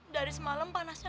dari semalam panasnya